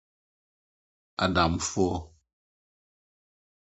Adamfoɔ